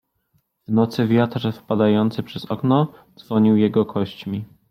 W nocy wiatr wpadający przez okno dzwonił jego kośćmi.